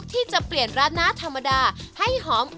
ที่จะเปลี่ยนราดหน้าธรรมดาให้หอม